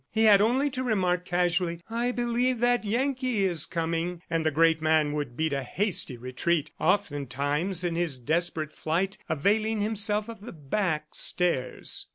He had only to remark casually, "I believe that Yankee is coming," and the great man would beat a hasty retreat, oftentimes in his desperate flight availing himself of the back stairs.